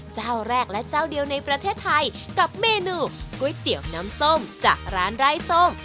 เจ้าแรกและเจ้าเดียวในประเทศไทยกับเมนูก๋วยเตี๋ยวน้ำส้มจากร้านไร้ส้ม